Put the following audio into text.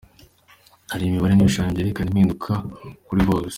Hari imibare n’ ibishushanyo byerekana impinduka kuri byose.